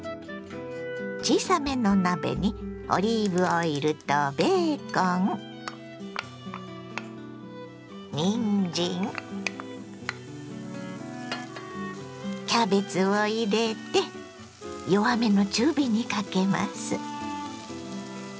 小さめの鍋にオリーブオイルとベーコンにんじんキャベツを入れて弱めの中火にかけます。